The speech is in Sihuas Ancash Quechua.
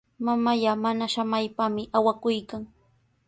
Mamallaa mana samaypami awakuykan.